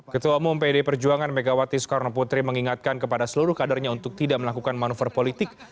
ketua umum pd perjuangan megawati soekarno putri mengingatkan kepada seluruh kadernya untuk tidak melakukan manuver politik